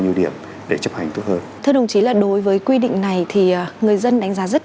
nhiêu điểm để chấp hành tốt hơn thưa đồng chí là đối với quy định này thì người dân đánh giá rất